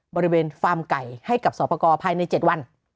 บริเวณฟาร์มไก่ให้กับสปกภายใน๗วัน